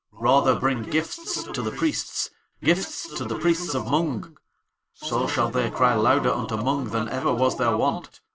Rather bring gifts to the Priests, gifts to the Priests of Mung. So shall they cry louder unto Mung than ever was their wont.